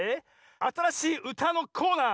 あたらしいうたのコーナー